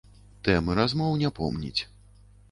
Тэмы размоў не помніць.